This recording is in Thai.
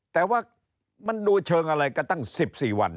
แต่ว่ามันดูเชิงอะไรก็ตั้ง๑๔วัน